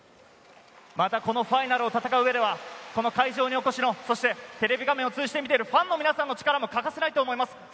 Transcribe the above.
このファイナルを戦う上では、この会場にお越しの、テレビ画面を通じて見ているファンの皆さんの力も欠かせないと思います。